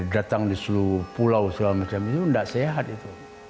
datang di seluruh pulau semacam ini itu tidak sehat